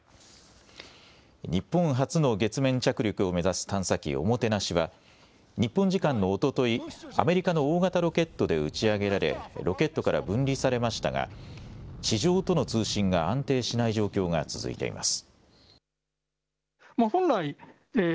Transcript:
日本初の月面着陸を目指す探査機、ＯＭＯＴＥＮＡＳＨＩは日本時間のおととい、アメリカの大型ロケットで打ち上げられロケットから分離されましたが地上との通信が安定しない状況が続いています。